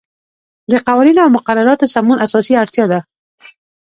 د قوانینو او مقرراتو سمون اساسی اړتیا ده.